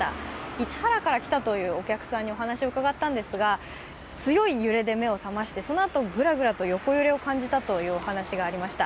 市原から来たというお客さんにお話を伺ったんですが強い揺れて目を覚まして、そのあとぐらぐらと横揺れを感じたと話していらっしゃいました。